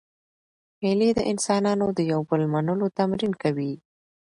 مېلې د انسانانو د یو بل منلو تمرین کوي.